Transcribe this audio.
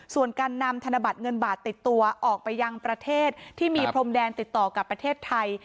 ส่วนการนำธนบัตรเงินบาทติดตัวออกไปยังประเทศที่มีพรมแดนติดต่อกับประเทศไทย